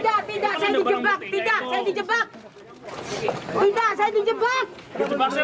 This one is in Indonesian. tidak tidak saya dijebak